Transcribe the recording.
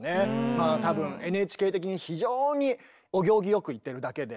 まあ多分ＮＨＫ的に非常にお行儀良く言ってるだけで。